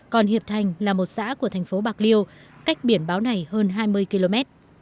còn hiệp thành là một xã của thành phố bạc liêu cách biển báo này hơn hai mươi km